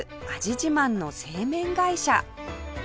自慢の製麺会社